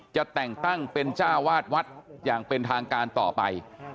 จะแต่งตั้งเป็นจ้าวาดวัดอย่างเป็นทางการต่อไป